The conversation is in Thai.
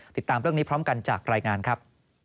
ติดตามเรื่องนี้พร้อมกันจากรายงานครับ